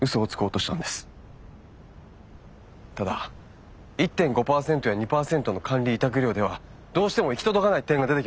ただ１．５％や２％の管理委託料ではどうしても行き届かない点が出てきます。